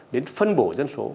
đến phân bổ dân số